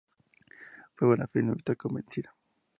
Fue una feminista convencida.